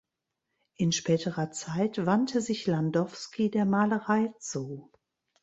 In späterer Zeit wandte sich Landowski der Malerei zu.